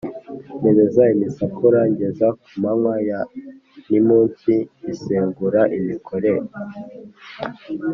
ntebeza imisakura ngeza ku manywa ya nimunsi ngisegura imikore,